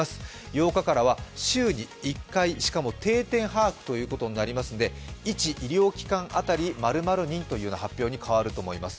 ８日からは週に１回、しかも定点把握ということになりますんで一医療機関当たり○○人という発表に変わると思います。